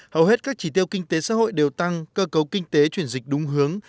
hầu hết các chỉ tiêu kinh tế xã hội đều tăng cơ cấu kinh tế chuyển dịch đúng hướng